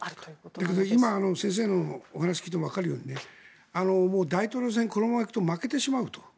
だけど今、先生のお話を聞いてもわかるようにもう大統領選このままいくと負けてしまうと。